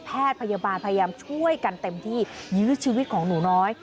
แพทย์พยาบาลพยายามช่วยกันเต็มที่ยื้อชีวิตของหนูน้อย